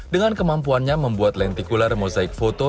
dengan kemampuannya membuat lentikular mosaik foto